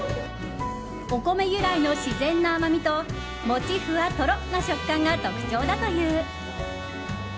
お米由来の自然な甘みともちふわとろっな食感が特徴だという。